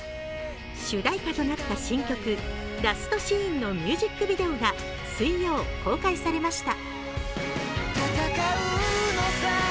主題歌となった新曲「ラストシーン」のミュージックビデオが水曜、公開されました。